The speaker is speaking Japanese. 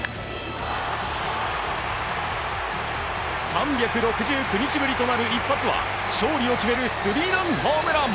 ３６９日ぶりとなる一発は勝利を決めるスリーランホームラン！